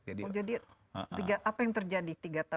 jadi apa yang terjadi